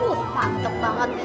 uh mantep banget